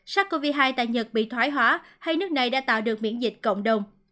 sars cov hai tại nhật bị thoái hóa hay nước này đã tạo được miễn dịch cộng đồng